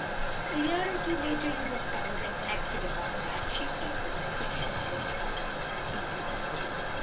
"A year or two later you discovered and acted upon that," she said, with an affectionate look up into his face.